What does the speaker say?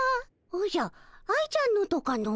おじゃ愛ちゃんのとかの？